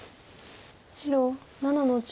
白７の十。